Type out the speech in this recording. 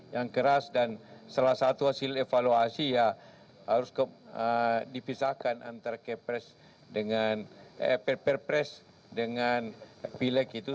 yang keras dan salah satu hasil evaluasi ya harus dipisahkan antara kpps dengan pilg itu